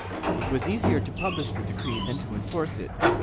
It was easier to publish the decree than to enforce it.